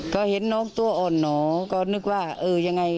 ก็เห็นน้องตัวอ่อนหนอก็นึกว่าเออยังไง